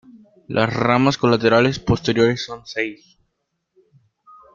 Las ramas colaterales posteriores son seis.